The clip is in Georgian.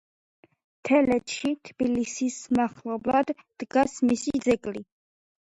თელეთში, თბილისის მახლობლად, დგას მისი ძეგლი.